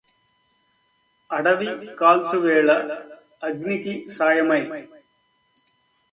అడవి గాల్చు వేళ నగ్నికి సాయమై